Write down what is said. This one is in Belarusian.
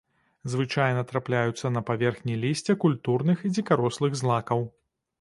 Звычайна трапляюцца на паверхні лісця культурных і дзікарослых злакаў.